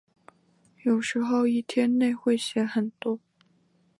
有时候一天内会写很多。